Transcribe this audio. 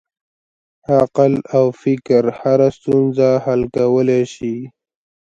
عقل او فکر هره ستونزه حل کولی شي.